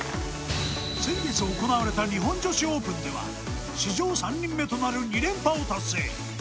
先月行われた日本女子オープンでは、史上３人目となる２連覇を達成。